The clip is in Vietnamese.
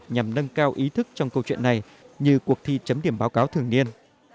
nhằm nâng cao ý thức trong câu chuyện này như cuộc thi chấm điểm báo cáo thường niên